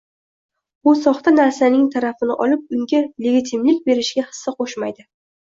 U soxta narsaning tarafini olib unga legitimlik berishga hissa qo‘shmaydi.